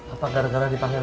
apa gara gara dipanggil